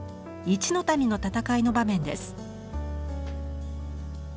「一ノ谷の戦い」の場面です。